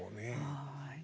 はい。